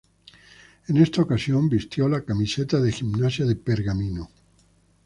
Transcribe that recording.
En esta ocasión vistió la camiseta de Gimnasia de Pergamino.